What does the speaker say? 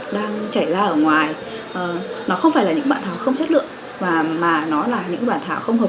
đang chảy ra ở ngoài nó không phải là những bàn thảo không chất lượng mà nó là những bàn thảo không hợp